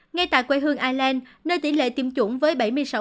ngay tại quê hương ireland nơi tỷ lệ tiêm chủng với bảy mươi sáu